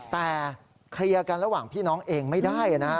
แต่เคลียร์กันระหว่างพี่น้องเองไม่ได้นะฮะ